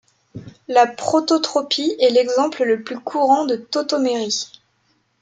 La prototropie est l'exemple le plus courant de tautomérie.